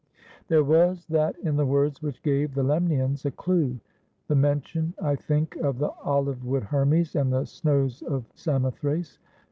There was that in the words which gave the Lemnians a clue, the mention, I think, of the olive wood Hermes and the snows of Samothrace.